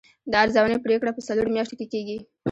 د ارزونې پریکړه په څلورو میاشتو کې کیږي.